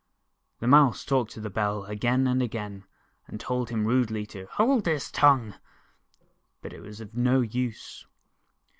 The Mouse talked to the Bell again and again, and told him rudely to "hold his tongue," but it was of no use.